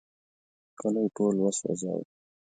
کلی ټول وسوځاوه.